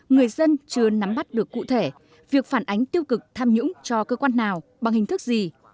người dân chưa nắm bắt được cụ thể việc phản ánh tiêu cực tham nhũng cho cơ quan nào bằng hình thức gì